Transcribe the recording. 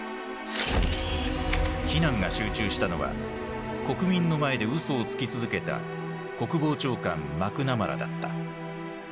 非難が集中したのは国民の前で嘘をつき続けた国防長官マクナマラだった。